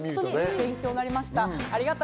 勉強になりました。